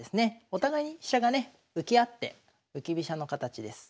お互いに飛車がね浮き合って浮き飛車の形です。